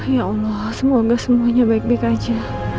ya allah semoga semuanya baik baik aja